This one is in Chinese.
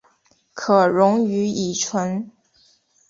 可溶于乙醇。